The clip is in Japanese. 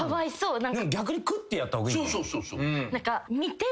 逆に食ってやった方が。